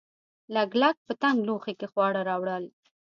لګلګ په تنګ لوښي کې خواړه راوړل.